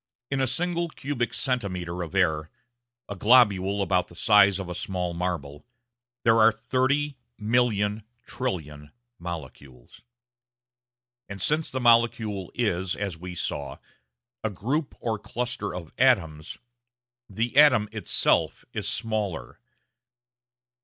In a single cubic centimetre of air a globule about the size of a small marble there are thirty million trillion molecules. And since the molecule is, as we saw, a group or cluster of atoms, the atom itself is smaller.